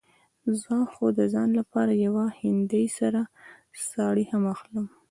زه خو د ځان لپاره يوه هندۍ سره ساړي هم اخلم.